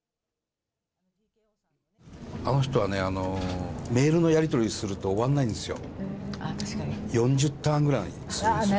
あの人はね、メールのやり取りをすると、終わんないんですよ。